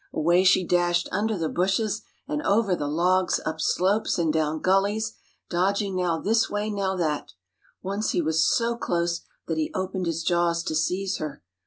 Away she dashed under the bushes and over the logs, up slopes and down gullies, dodging now this way now that. Once he was so close that he opened his jaws to seize her.